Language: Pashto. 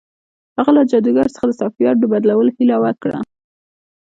هغه له جادوګر څخه د سافټویر د بدلولو هیله وکړه